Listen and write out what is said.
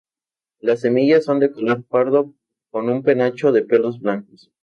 Las semillas son de color pardo con un penacho de pelos blancos.